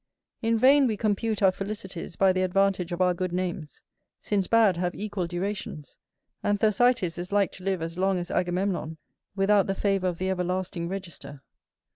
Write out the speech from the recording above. In vain we compute our felicities by the advantage of our good names, since bad have equal durations, and Thersites is like to live as long as Agamemnon without the favour of the everlasting register.